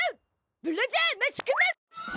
ブラジャーマスクマン！